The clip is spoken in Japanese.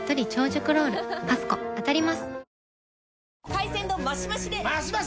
海鮮丼マシマシで！